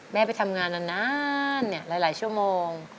ไปทำงานนานหลายชั่วโมง